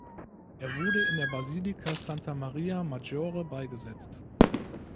Er wurde in der Basilika Santa Maria Maggiore beigesetzt.